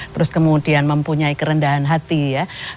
terus kemudian mempunyai kerendahan hati ya